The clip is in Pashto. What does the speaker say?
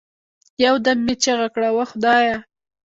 يو دم يې چيغه كړه وه خدايه!